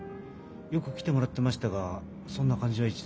よく来てもらってましたがそんな感じは一度も。